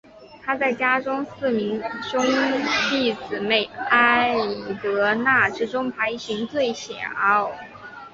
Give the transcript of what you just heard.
她在家中四名兄弟姊妹艾德娜之中排行最小。